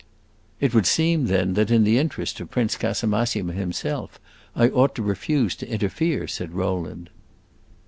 "It would seem, then, that in the interest of Prince Casamassima himself I ought to refuse to interfere," said Rowland.